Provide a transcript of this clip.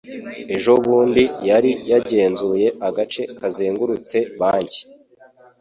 ejobundi yari yagenzuye agace kazengurutse banki